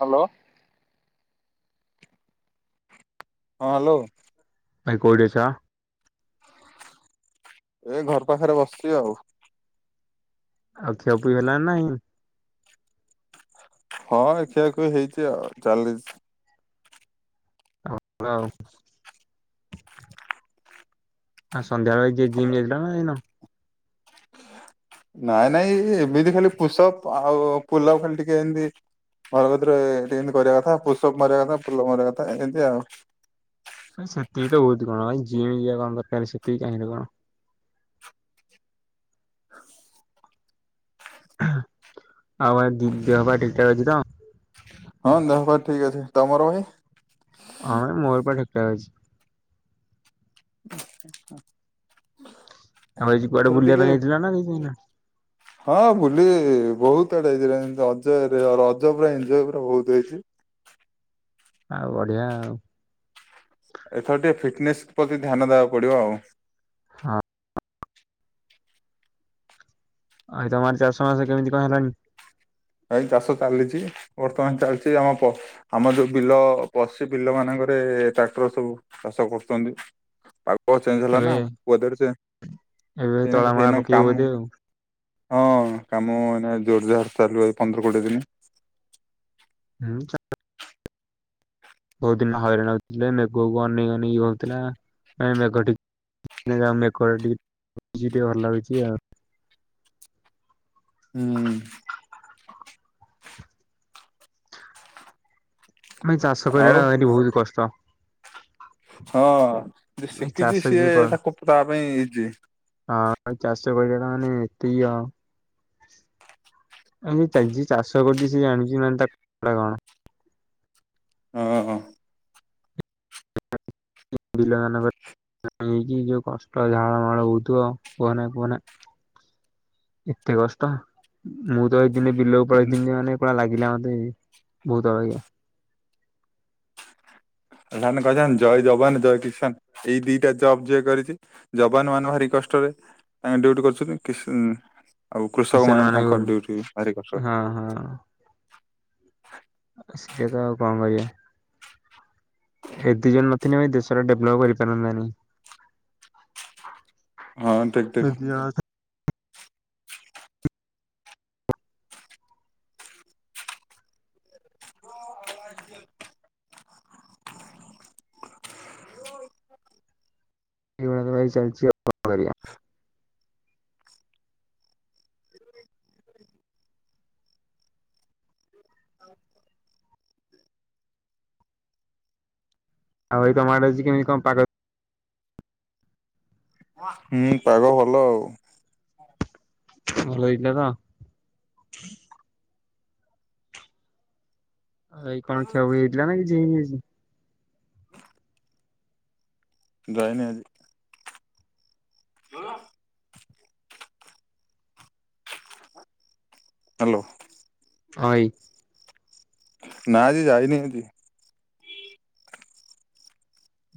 Hello. ହଁ hello. ଭାଇ କୋଉଠି ଅଛ? ଏ ଘର ପାଖରେ ବସିଛି ଆଉ। ଆଉ ଖ୍ଆ ପିଆ ହେନା ନାଇ? ହଁ ଖିଆ ଖୁଇ ହେଇଚି ଆଉ ଚାଲି [unintelligible] ଆଉ ସନ୍ଧ୍ୟା ବେଳେ ଜି ଜିମ୍ ଯାଇଥିଲ ନା ଯାଇନ? ନାଇଁ ନାଇଁ ଏମିତି ଖାଲି ପୁଷଅପ ଆଉ ପୁଲଅପ ଖାଲି ଟିକେ ଏମତି ଘରକତିରେ ଏ ଏମିତି କରିବା କଥା ପୁଷଅପ ମରିବା କଥା ପୁଲଅପ ମରିବା କଥା ଏମିତି ଆଉ। ଭାଇ ସେତିକି ଟା [unintelligible] କଣ ଭାଇ ଯିଏ ୟି କଣ ଦରକାର ସେତିକି କାହିଁ ରେ କଣ। ଆଉ ଭାଇ ଦେହପା ଠିକ ଠାକ୍ ଅଛି ତ? ହଁ ଦେହପା ଠିକ ଅଛି। ତମର ଭାଇ? ହଁ ମୋରପା ଠିକଠାକ ଅଛି। [inaudible] ଆଉ ଆଜି କୁଆଡେ ଏଥର ବୁଲିବା ଟିକେ ପାଇଁ ଯାଇଥିଲା ନା ଯାଇନା ହଁ ବୁଲି ବହୁତ ଆଡେ ହେଇଥିଲି ରଜରେ ରଜ ପୁରା ଏନଜୟ ପୁରା ବହୁତ ହେଇଚି। ଆଉ ବଢିଆ ଆଉ। ଏଥର ଟିକେ ଫିଟନେସ୍ ପ୍ରତି ଧ୍ୟାନ ଦେବାକୁ ପଡ଼ିବ ଆଉ। ହଁ। ଆଉ ତମ ଆଡ଼େ ଚାଷ ମାସ କେମିତି କଣ ହେଲାଣି? ଭାଇ ଚାଷ ଚାଲିଚି ବର୍ତ୍ତମାନ ଚାଲିଚି ଆମ ଆମର ଯୋଉ ବିଲ ଅ ପଶି ବିଲ ମାନଙ୍କରେ ଟ୍ରାକ୍ଟର ସବୁ ଚାଷ କରୁଛନ୍ତି। ପାଗ ଚେଞ୍ଜ ହେଲା ଏବେ ନା ୱେଦର୍ ଏବେ ତଳା ଚେଞ୍ଜ ମଳା ହେଇନା ପକେଇବ ବୋଧେ କାମ ଆଉ। ହଁ କାମ ଏଇନା ଜୋରଯାର ଚାଲୁ ପନ୍ଦର କୋଡିଏ ଦିନି। ହୁଁ ଚା ବହୁତ ଦିନ ହଇରାଣ ହଉଥିଲେ ମେଘ ଅନେଇ ଅନେଇ ଇଏ ହଉଥିଲା [unintelligible] ମେଘ ଟି ଏଇନା ମେଘ ଟିକେ [unintelligible] ଟିକେ ଭଲ ଲାଗୁଛି ଆଉ। ହୁଁ ଭାଇ ଚାଷ ଆଉ କରିବାଟା ଭାରି ବହୁତ କଷ୍ଟ। ହଁ ଯେ ଭାଇ ଶିଖିଚି ଚାଷ ସିଏ ଯିଏ କର ତାକୁ ତା ପାଇଁ ଇଜି। ଆଉ ଚାଷ କହିଲା ଟା ମନେ [unintelligible] ଅ ଆ ଯିଏ ଚାଷ କରୁଚି ସିଏ ଜାଣିଛି ମାନେ ତା କଷ୍ଟଟା କଣ। ହଁଁ ହଁ। ବିଲ ମାନଙ୍କର ହେଇକି ଯୋଉ କଷ୍ଟ ଝାଳ ମାଳ ହଉଥିବ କୁହନା କୁହନା। ଏତେ କଷ୍ଟ ମୁଁ ତ ଏଇଦିନେ ବିଲକୁ ପଳେଇଥିଲି ମାନେ ପୁରା ଲାଗିଲା ମତେ ବହୁତ ଅବାଗିଆ। ଆ ମନେ କହିଦବାନି ଜୟ ଯବାନ ଜୟ କିଶାନ ଏଇ ଦିଟା ଜବ୍ ଯିଏ କରିଚି ଯବାନ ମାନେ ଭାରି କଷ୍ଟରେ ତାଙ୍କ ଡଉଟି କରୁଛନ୍ତି କିଷ ଇଁ ଆଉ କୃଷକ କିଷାନ ମାନେ ହଁ ତାଙ୍କ ଡିଉଟି ଭାରି କଷ୍ଟ ହଁ ଆଉ ସେୟା ତ ଆଉ କଣ କରିବା। ଏ ଦି ଜଣ ନଥିଲେ ଭାଇ ଦେଶର ଡେଭଲପ କରିପାରନ୍ତାନି। ହଁ ଠିକ ଏ ଦି ଜଣ ଠିକ। ଅଛନ୍ତି ଏ ଭଳିଆ ତ ଭାଇ ଚାଲିଚି କଣ କରିଆ। [inaudible] ଆଉ ଏଇ ତମ ଆଡ଼େ ଅଛି କେମତି କଣ ପାଗ? ହୁଁ ପାଗ ଭଲ ଆଉ। ଭଲ ହେଇଥିଲା ତ? ଆଉ ଏଇ କଣ [unintelligible] ହେଇଥିଲା ନା କିଛି ହେଇନି ଆଜି? ଜଏନ୍ ହେନି ହଁ। ହାଲୋ। ଅଁ ଇ ନା ଆଜି ଯାଇନି ନାହାନ୍ତି।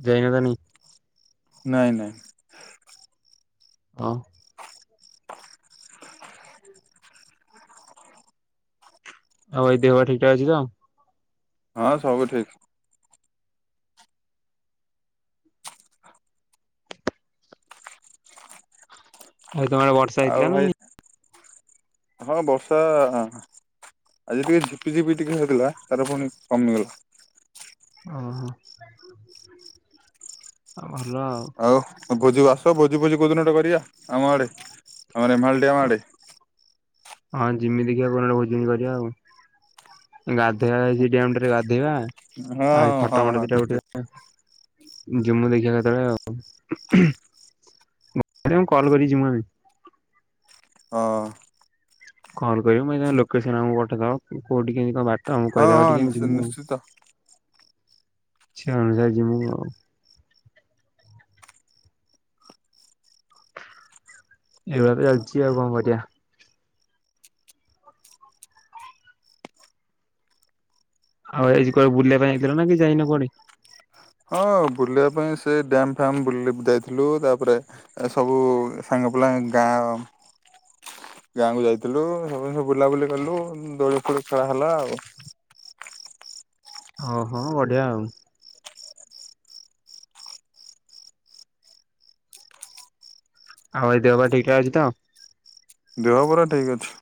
ଜାଇନତାନି ନାଇଁ ନାଇଁ। ହଁ। ଆଉ ଏଇ ଦେହ ଠିକ୍ ଠାକ୍ ଅଛିତ? ହଁ ସବୁ ଠିକ୍। ଆଉ ତମଆଡ଼େ ବଷ୍ ଆଉ ଭାଇ ହଁ ବର୍ଷା ଆଜି ଟିକେ ଝିପି ଝିପି ଟିକେ ହେଇଥିଲା ତାରେ ପୁଣି କମିଗଲା। ଓହୋ ଆଉ ଭଲ ଆଉ। ଆଉ ଭୋଜିକୁ ଆସ ଭୋଜି ଫୋଜି କେଉଁଦିନ ଗୋଟେ କରିବା ଆମ ଆଡ଼େ ଆମ ରେମାହାଲ୍ ଡ୍ୟାମ୍ ଆଡ଼େ। ହଁ ଯିମି ଦେଖଆ କୋଉଦିନ ଭୋଜନୀ କରିବା ଆଉ। ଗାଧେଇବାରେ ସେ ଡ୍ୟାମଟାରେ ଗାଧେଇବା ହଁ ଆଉ ଏ ହଁ ଫୋଟୋ ହଁ ମୋଟ ଦିଇଟା ଠିକ ଠିକ ଉଠେଇବା ଜିମୁ ଦେଖିଆ କେତେବେଳେ ଆଉ। ଆରେ ମୁ କଲ୍ କରିଯିମୁ ଆମେ। ହଁ। କଲ୍ କରିମୁ ମୁଏଇନା ଲୋକେସନ ଆମକୁ ପଠେଇଦବ କୋଉଠି କେମିତି କଁ ବା ଟ ହଁ କହିଦବ ହଁ ଟିକେ ଯିମୁ ଆଉ ନିଶ୍ଚିତ। ସେଇ ଅନୁସାରେ ଯିମୁ ଆଉ। ଏଇଭଳିଆ ଚାଲିଚି ଆଉ କଣ କରିବା। ଆଉ ଏଇ ଆଜି କୁଆଡ଼େ ବୁଲିବାପାଇଁ ଜାଇଥିଲନା କି ଯାଇନ କୁଆଡ଼େ ହଁ ବୁଲିବା ପାଇଁ ସେ ଡ୍ୟମ୍ ଫ୍ୟାମ୍ ଯାଇଥିଲୁ ତାପରେ ଏ ସବୁ ସାଙ୍ଗ ପିଲା ଗାଁ ଗାଁକୁ ଯାଇଥିଲୁ ସବୁ ସୁବୁ ବୁଲାବୁଲି କଲୁ ଦୋଳି ଫୋଳି ଖେଳା ହେଲା ଆଉ। ହଁ ହଁ ବଢ଼ିଆ ଆଉ। ଆଉ ଏଇ ଦେହପା ଠିକଠାକ ଅଛିତ? ଦେହ ପରା ଠିକ୍ ଅଛି।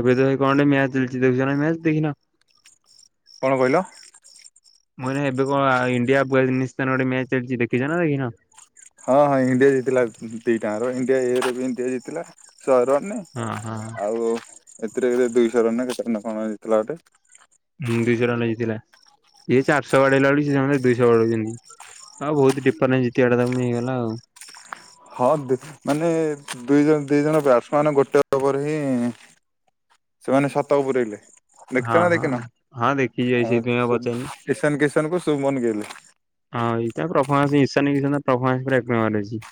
ଏବେତ ଭାଇ କଣ ମ୍ୟାଚ୍ ଚାଲିଚି ଦେଖୁଚନା ମ୍ୟାଚ୍ ଦେଖିନ। କଣ କହିଲ? ମୁଁ ଏବେ କଣ ଇଣ୍ଡିଆ ପାକିସ୍ତାନ ଗୋଟେ ମ୍ୟାଚ୍ ଚାଲିଚି ଦେଖିଚନା ଦେଖିନ? ହଁ ହଁ ଇଣ୍ଡିଆ ଜିତିଲା ଦିଇ ଟାଙ୍କର ଇଣ୍ଡିଆ ଇଏରବି ଇଣ୍ଡିଆ ଜିତିଲା ଶହେ ରନ୍ ରେ। ହଁ ହଁ। ଆଉ ଏଥିରେ ଦୁଇଶହ ରନା କେତେ କଣ ଜିତିଲା ଗୋଟେ। ହୁଁ ଦୁଇଶହ ରନ୍ ଜିତିଲା ଇଏ ଚାରିଶହ ବାଡ଼େଇଲା ବୋଲି ସେଦୁଇଶହ ବାଡ଼େଚନ୍ତି। ହଉ ବହୁତ୍ ଡିପାର ନାଁ ଜିତିଗଲା ତାକୁ ନେଇଗଲା ଆଉ। ହଁ ମାନେ ଦୁଇ ଜଣ ଦିଇ ଜଣ ବ୍ୟାଟ୍ସମାନେ ଗୋଟେ ଓଭର ହିଁ ସେମାନେ ସତକୁ ପୁରଇଲେ। ହଁ ଦେଖିଚନା ହଁ। ଦେଖିନ ହଁ ଦେଖିଛି ଭାଇ ଆ ସେଇଥିପାଇଁ ଆଉ ପଚାରିନି। କିସନ୍ କିସନକୁ ଶୁମନ୍ ଗିଲେ। ହଁ ଏଇଟା ପ୍ରଫମାନ୍ସଫନ୍ସ ପୁରା ପ୍ରଫମାନ୍ସଟା ଏକ ନମ୍ବର ହେଇଚି।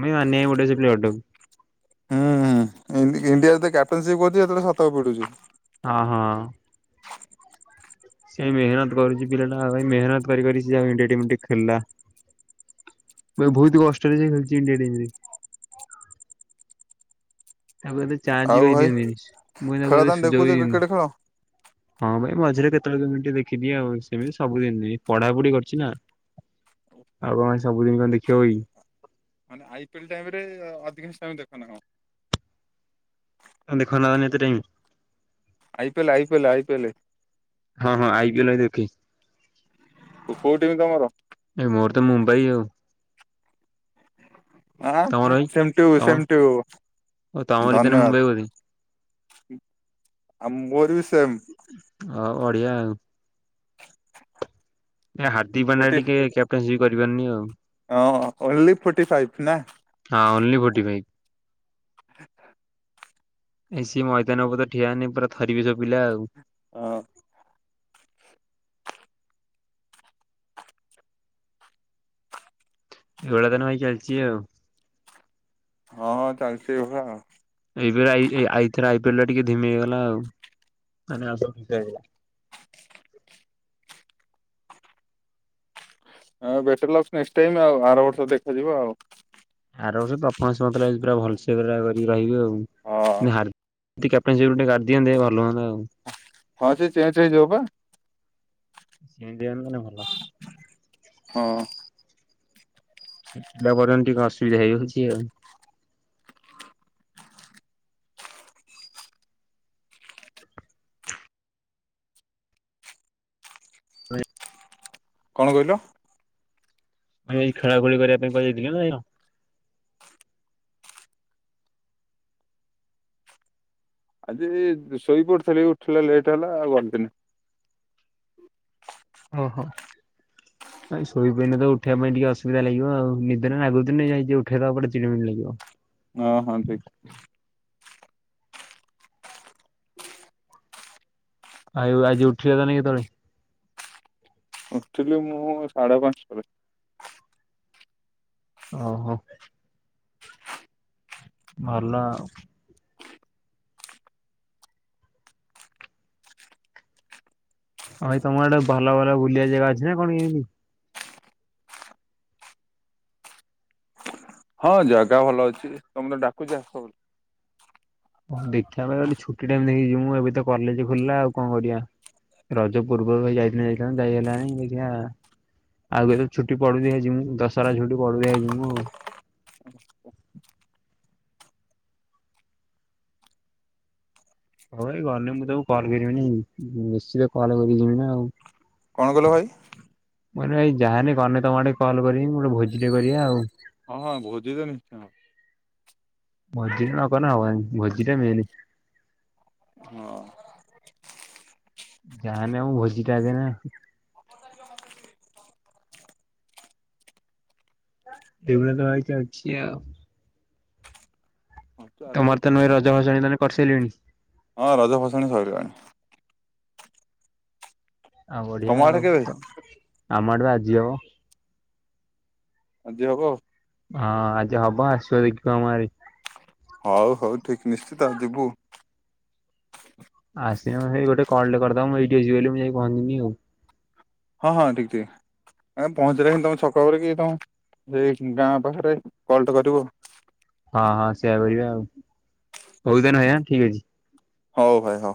ଉମେ ମାନିବାକୁ ପଡ଼ିବ ସେ ପ୍ଲେ ବ୍ୟାଟାକୁ। ଇଡିଆରେେୟା୍ଟନସିପ ଅଛି ସେତେଳେ ଶତ ପିଡ଼ୁଚି। ହଁ ହଁ। ସେ ମେହନତ କରୁଛି ପିଲା ଭ ମେହନତ କରି ଖୋ। [unintelligible] ବହୁତ କଷ୍ଟରେ ସେ ଖଛି ଇଣ୍ଡିଆ ଟିମ ତାକୁ ଏତେ ଚାନ୍ସ ବି ଆଉ ଭାଇ ଦିଅନ୍ତିନି। ମୁଁ ତାକୁ ଖେଳ ଏତେ ତମେ ସୁଯୋଗ ବି ଦେଖୁଛ ଦିଅନ୍ତି। କ୍ରିକେଟ ଖେଳ। ହଁ ଭାଇ ମଝିରେ କେତେବେ ମିନିଟ ଦେଖିଦି ଆଉ ସେମିତି ସବୁଦିନ ପଢାପଢି କରିୁଛି ନା ଆଉ କଣ ସବୁଦିନ କ ଦେଖିବା ହ କି? ମାନେ ଆଇ ପି ଏଲ ଟାଇମ ରେ ଅଧିକାଂଶ ଟ ଦେଖ ନା କଣ? ଦେଖ ଏତେ ଟି ଆଇପ ଆଇପଲେ ଆଇପଲେ ହଁ ହଁ ଆଇବି ନଁ ଦେଖି କୋଉଠିମି ତମର ଏଇ ମୋର ତ ମୁମ୍ବାଇ ଆଉ ଆଁ ତମର ଭାଇ? ସେମଟୁ ତମ ସେମଟୁ ଓ ତମରି ତାହେଲେ ଧନ୍ୟବାଦ। ମୁମ୍ବାଇ ବୋଧେ ଆମ ବୋର ବି ସେମ ଅ ଓଡିଆ ଆଉ ଏ ହାର୍ଦ୍ଦିକ ପ ପାଣ୍ଡା ଗୋଟେ ଟିକେ କ୍ୟାପଟେନସି ବି କରିପାରନି ଆଉ ହଁ ଓନ୍ଲି ଫୋର୍ଟି ଫାଇଭ୍ ନା ହଁ ଓନ୍ଲି ଫୋର୍ଟି ଫାଇଭ ହ [unintelligible] ଏଇ ସି ମଇଦାନ ଉପ ତ ଠିଆାନି ପୁରାଥରିବି ସବୁ ପିଲା ଆଉ ହଁ। ଏଇଳି ତନେ ଭାଇ କଳଛିଉ [unintelligible] ହଁ ଚାଲିଛି ଏ ଭଳି ଆଉ ଏଇଇଥର ଆଇପିଲ ଟିକେ ଧିମି ହେଇଗଲା ଆଉ ମାନେ ଆ ହେଇଗଲା [unintelligible] ଆଁ ବେଟର ଲାଗ ଟାଇମ୍ ଆଉ ଆର ବର୍ଷ ଦେଖାଯିବ ଆଉ ଆରଫନ୍ସ ମତ ପୁରା ଭଲସେ ପୁରା କରିକି ରହିବେ ଆଉ ହଁ। ହ [unintelligible] କ୍ୟାଟେ ସପ ଟୋାରିଅନ୍ତେଲୁଅନ୍ ଆଉ [unintelligible] ହଁ ସେ ଚେଞ୍ଜ ହେଇଯିବ ବା ସେ ଦିଅ ନ ଭଲ [unintelligible] ହଁ। ତାପରେ ଏମିତି ଗସି ହେଇଯାଉଉଛି ଆଉ ହଁ [unintelligible] କଣ କହିଲ? ଆ ଏଇ ଖେଳା ଖେଳି କରିବା ପାଇଁ କହିହାଯେଇଥିଲ କି ନାାଇଁ [unintelligible] ଆଜି ଶୋଇ ପଡିୁଥିଲ ଉଠିଲ ଲେଟ୍ ହେଲା ଆଉ ଗଟଦିନ ଓହୋ। ହଁ [unintelligible] ଶୋଇ ପଣି ତ ଉଠିବା ପାଇଁ ଟିକେ ଅସବିଧାଗିବ ଆଉ ନିଦରେ ଲାଗୁଥନି ଯାଇ ଉଠେଇ ତାେ ଚମିଣି ଲାଗିବ। ହଁ ହଁ। ଆଜି ଉଠିବ ତ ନ କେତବେଳେ ଉଠଥିଲି ମୁଁ ସାଢ଼େ ପାଞ୍ଚରେ ଓହୋ। ମହଲା ଆ ଭାଇ ତମର ଗଟେ ଭଲ ଭଲ ବୁଲିବା ଜାଗା ଅଛି ନା କଣ କେମିତି? ହଁ ଜାଗା ଭଲ ଅଛି ତମେ ତ ଡାକୁଛ? ହଁ ଦେଖିବା ପାଇଁ ଗୋଟେ ଛୁଟି ଟାଇମ ଦେଖିଛିିବ ମୁଁ ଏବେ ତ କଲେଜ ଖୋଲିଲା ଆଉ କଣ କରିବା ରଜ ପୂର୍ବରୁ ଭାଇ ଯାଇଥଲେ ଯାଇଥାନ୍ତା ଯାଇ ହେଲାନି ଦେଖିଆ ଆଉ କେତେବେଳେ ଛୁଟି ପ [unintelligible] ମୁଁ ଦଶହରା ଛୁଟି ପଡିଲେ ଯିମୁ। ହଉ ଭାଇ ଗଲେ ମୁଁ ତମକୁ କଲ୍ କରିବିନି ମୁଁ ନିଶ୍ଚିତ କଲ୍ କରି ଯିବି ନା ଆଉ। କଣ କହିଲ ଭାଇ? ମୁଁ କହିଲି ଭାଇ ଯାହାନି ଗନେ ତମ ଆଡେ କଲ କରିବି ଗୋଟେ ଭୋଜିଟେ କରିବା ଆଉ। ହଁ ହଁ ଭୋଜି ତ ନିଶ୍ଚୟ। ଭୋଜିଟେ ନ କଲେ ହବନି। ଭୋଜିଟା ମେନ୍। ହଁ। ଯାହାନେ ମୁଁ ଭୋଜି ଟା [unintelligible] [unintelligible] [unintelligible] ଅଛିି ଆଉ। ହଁ ଚାଲୁ। ତମର ତ ନୁହେଁ ରଜ [unintelligible] ମାନେ କରି ସାଇଲେଣି? ହଁ ରଜ ଭସାଣି ସରିଲାଣି। ଆଉ ତମ ବଢିଆ ଆଡେ କେବେ ଆଉ। ଆମ ଆଡେ ବା ଆଜି ହବ। ଆଜିି ହବ ଆଉ। ହଁ ଆଜି ହବ ଆସିବ ଦେଖିବ ଆମ ଗାଁରେ? ହଉ ହଉ ଠିକ ନିଶ୍ଚିତ ଯିବୁ। ଆସିଁଲେ ସେ ଗୋଟେ କଲଟେ କରିଦବ ମୁଁ ଏଇଠି ଅଛି ବୋଲି ମୁଁ ଯାଇ ପହଞ୍ଚିଯିବି ଆଉ। ହଁ ହଁ ଠିକ୍ ଠିକ୍। ଆ ପହଞ୍ଚିଲା ହ ତମ ଛକ ପାଖରେ କି ତମ ସେଇ ଗାଁ ପାଖରେ କଲଟେ କରିବୁ। ହଁ ହଁ ସେଇୟା କରିଆ ଆଉ [unintelligible] ଠିକ ଅଛି। ହଉ ଭାଇ ହଉ।